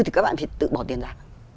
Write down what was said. thì các bạn thì tự bỏ tiền ra